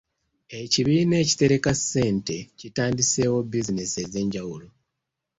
Ekibiina ekitereka ssente kitandiseewo bizinensi ez'enjawulo.